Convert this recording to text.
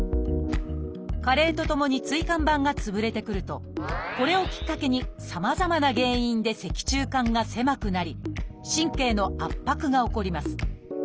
加齢とともに椎間板が潰れてくるとこれをきっかけにさまざまな原因で脊柱管が狭くなり神経の圧迫が起こります。